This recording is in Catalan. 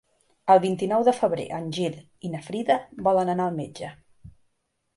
El vint-i-nou de febrer en Gil i na Frida volen anar al metge.